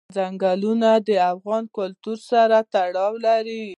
چنګلونه د افغان کلتور سره تړاو لري.